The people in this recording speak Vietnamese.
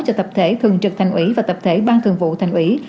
cho tập thể thường trực thành ủy và tập thể ban thường vụ thành ủy